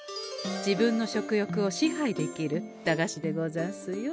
自分の食欲を支配できる駄菓子でござんすよ。